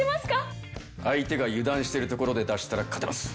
相手が油断してるところで出したら勝てます。